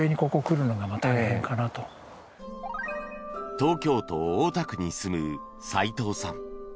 東京都大田区に住む齋藤さん。